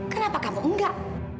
kenapa kamu enggak